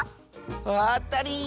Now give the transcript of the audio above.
あったり！